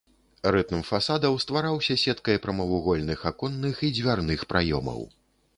Рытм фасадаў ствараўся сеткай прамавугольных аконных і дзвярных праёмаў.